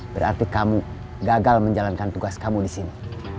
berarti kamu gagal menjalankan tugas kamu di sini